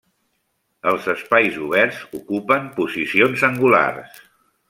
Els espais oberts ocupen posicions angulars.